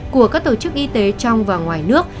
của các tổ chức y tế trong và ngoài nước